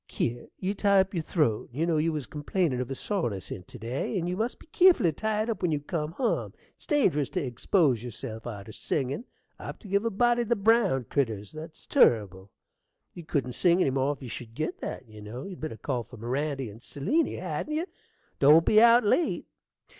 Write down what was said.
Kier, you tie up your throat: you know you was complainin' of a soreness in't to day; and you must be keerful to tie it up when you cum hum: it's dangerous t' egspose yerself arter singin' apt to give a body the brown critters, and that's turrible. You couldn't sing any more if you should git that, you know. You'd better call for Mirandy and Seliny, hadn't you? Don't be out late.